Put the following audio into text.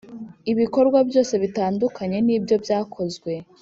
ibikorwa byose bitandukanye nibyo byakozwe